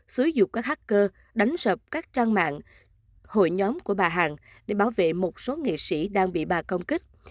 xúi dục các hacker đánh sập các trang mạng hội nhóm của bà hằng để bảo vệ một số nghệ sĩ đang bị bà công kích